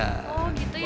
oh gitu ya